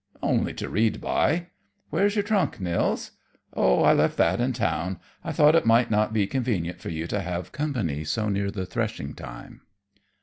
"Only to read by. Where's your trunk, Nils?" "Oh, I left that in town. I thought it might not be convenient for you to have company so near threshing time."